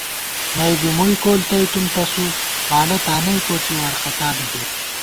نئ بی مُوئی کول تئیتُوم تسُو، بالہ تانئ کوڅی وارختا بی گِر